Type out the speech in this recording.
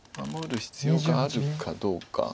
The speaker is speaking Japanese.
守る必要があるかどうか。